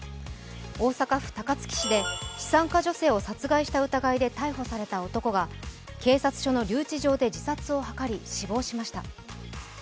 大阪府高槻市で資産家女性を殺害した疑いで逮捕された男が警察署の留置場で自殺を図り死亡しました。